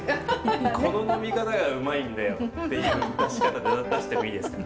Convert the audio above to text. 「この呑み方がうまいんだよ」っていう出し方で出してもいいですか？